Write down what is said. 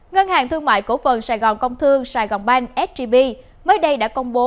ngân hàng thương mại cổ phần sài gòn công thương sài gòn bank sgb mới đây đã công bố